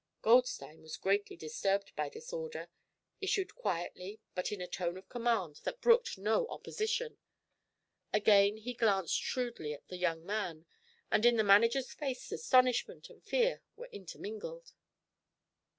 Goldstein was greatly disturbed by this order, issued quietly but in a tone of command that brooked no opposition. Again he glanced shrewdly at the young man, and in the manager's face astonishment and fear were intermingled.